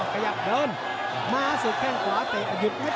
ทำให้มะสุกเล็กขึ้นบนไม่ได้